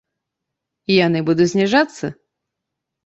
І яны будуць зніжацца.